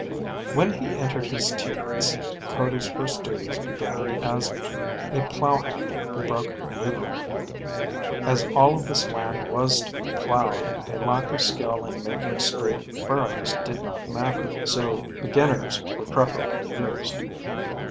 [HW: When he entered his teens] Cody's first duties began [HW: as] a plowhand who broke "newground." As all of this land was to be plowed, a lack of skill in making straight furrows did not matter, so beginners were preferably used.